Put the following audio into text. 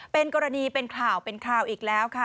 เป็นกรณีเป็นข่าวเป็นข่าวอีกแล้วค่ะ